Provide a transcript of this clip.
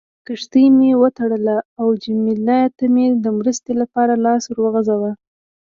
کښتۍ مې وتړله او جميله ته مې د مرستې لپاره لاس ور وغځاوه.